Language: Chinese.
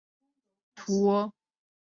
尚未收复的意大利其版图。